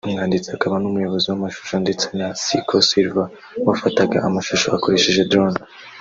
umwanditsi akaba n’umuyobozi w’amashusho ndetse na Cico Silver wafataga amashusho akoresheje Drone